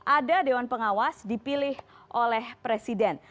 ada dewan pengawas dipilih oleh presiden